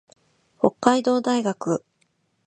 北海道大学